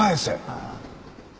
ああ。